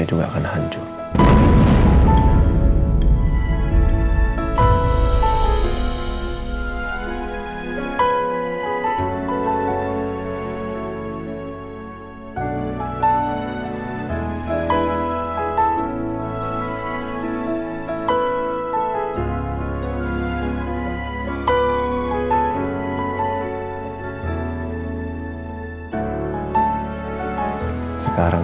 tidak ada yang bisa dikira